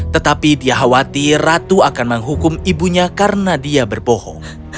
tetapi dia khawatir ratu akan menghukum ibunya karena dia berbohong